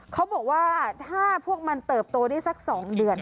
เขาบอกว่าถ้าพวกมันเติบโตได้สัก๒เดือน